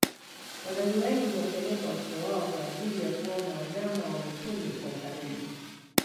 wazazi wengi huwapeleka watoto wao kwa ajiili ya kuona wanyama wa mwituni kwa ukaribu